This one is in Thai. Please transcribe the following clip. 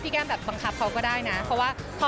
แก้มแบบบังคับเขาก็ได้นะเพราะว่า